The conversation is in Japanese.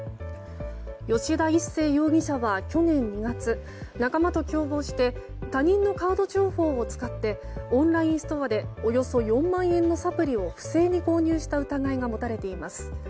吉田一誠容疑者は去年２月仲間と共謀して他人のカード情報を使ってオンラインストアでおよそ４万円のサプリを不正に購入した疑いが持たれています。